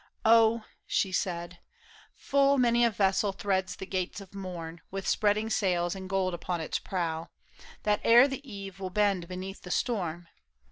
Oh !" she said, " Full many a vessel threads the gates of morn, With spreading sails and gold upon its prow. That ere the eve will bend beneath the storm.